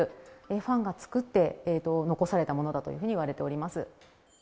ファンが作って残されたものだというふうにいわれております。